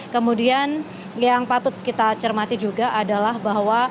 kemudian yang patut kita cermati juga adalah bahwa